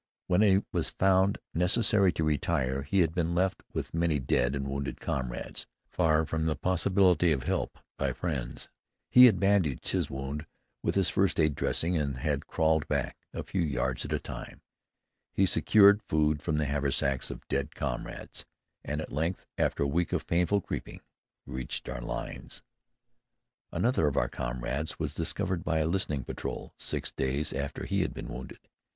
When it was found necessary to retire, he had been left with many dead and wounded comrades, far from the possibility of help by friends. He had bandaged his wound with his first aid field dressing, and started crawling back, a few yards at a time. He secured food from the haversacks of dead comrades, and at length, after a week of painful creeping, reached our lines. Another of our comrades was discovered by a listening patrol, six days after he had been wounded.